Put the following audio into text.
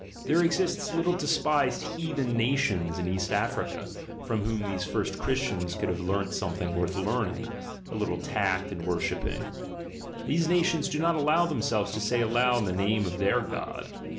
— There exist little despised "heathen nations'' in East Africa, from whom these first Christians could have learnt something worth learning, a little tact in worshipping; these nations do not allow themselves to say aloud the name of their God.